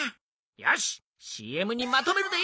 よしＣＭにまとめるで！